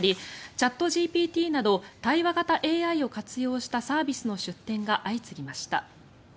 チャットＧＰＴなど対話型ＡＩを活用したサービスの出展が相次ぎました。